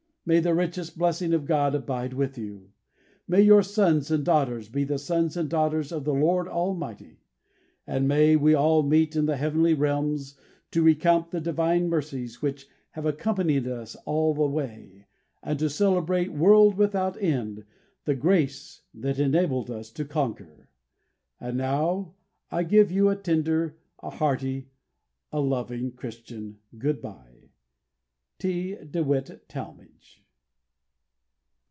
May the richest blessing of God abide with you! May your sons and daughters be the sons and daughters of the Lord Almighty! And may we all meet in the heavenly realms to recount the divine mercies which have accompanied us all the way, and to celebrate, world without end, the grace that enabled us to conquer! And now I give you a tender, a hearty, a loving, a Christian goodby. "T. DEWITT TALMAGE."